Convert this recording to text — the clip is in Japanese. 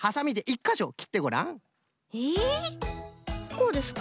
こうですか？